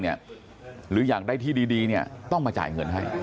หรืออยากได้ที่ดีเนี่ยต้องมาจ่ายเงินให้